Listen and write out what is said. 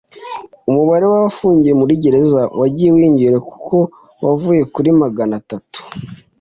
umubare w abafungiye muri Gereza wagiye wiyongera kuko wavuye kuri Magana atatu